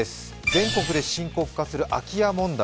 全国で深刻化する空き家問題。